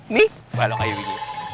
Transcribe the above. nih balok kayu ini